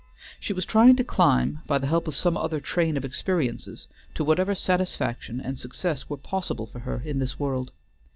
She was trying to climb by the help of some other train of experiences to whatever satisfaction and success were possible for her in this world.